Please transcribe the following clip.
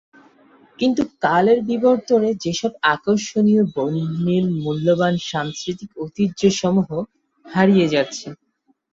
কিন্তু কালের বিবর্তনে সেসব আকর্ষণীয়, বর্ণিল মূল্যবান সাংস্কৃতিক ঐতিহ্য সমূহ হারিয়ে যাচ্ছে।